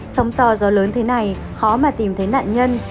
sóng to gió lớn thế này khó mà tìm thấy nạn nhân